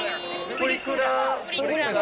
プリクラ。